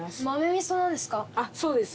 そうです。